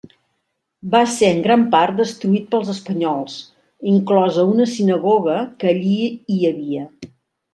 Va ser en gran part destruït pels espanyols, inclosa una sinagoga que allí hi havia.